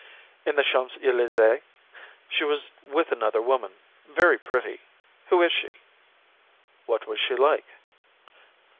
"In the Champs Elysées. She was with another woman, very pretty. Who is she?" "What was she like?"